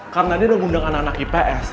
karena dia udah ngundang anak anak ips